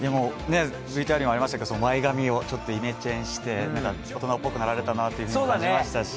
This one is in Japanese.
ＶＴＲにもありましたけど前髪をイメチェンして大人っぽくなられたなと感じましたし